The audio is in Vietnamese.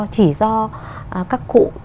chỉ do các cụ